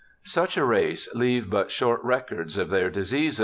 * Such a race leave but short records of their diseases.